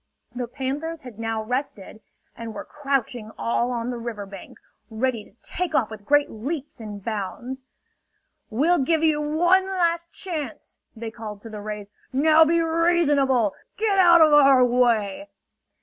The panthers had now rested, and were crouching all on the river bank, ready to take off with great leaps and bounds. "We'll give you one last chance!" they called to the rays. "Now be reasonable! Get out of our way!"